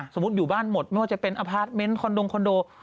สมมุติอยู่บ้านหมดไม่ว่าจะเป็นอพาร์ทเม้นท์คอนโด